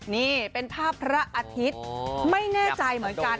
นี่เป็นภาพพระอาทิตย์ไม่แน่ใจเหมือนกัน